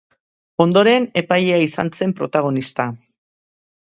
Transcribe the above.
Ondoren epailea izan zen protagonista.